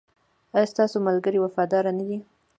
ایا ستاسو ملګري وفادار نه دي؟